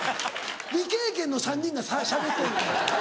未経験の３人がしゃべってんねん。